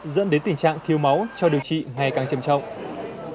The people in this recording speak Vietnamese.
dẫn đến tình trạng thiếu máu cho điều trị ngày càng trầm trọng